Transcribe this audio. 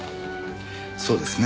そうですね。